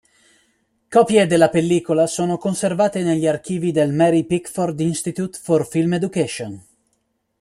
Copie della pellicola sono conservate negli archivi del Mary Pickford Institute for Film Education.